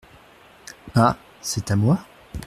Ah ! c’est à moi ?…